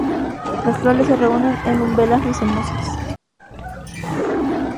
Las flores se reúnen en umbelas racemosas.